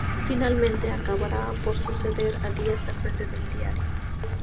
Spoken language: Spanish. Finalmente, acabará por suceder a Díaz al frente del diario.